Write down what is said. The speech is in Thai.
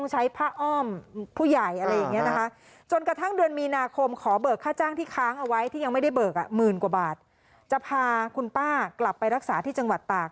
หมื่นกว่าบาทจะพาคุณป้ากลับไปรักษาที่จังหวัดตาก